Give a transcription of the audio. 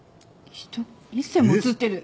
一星も写ってる！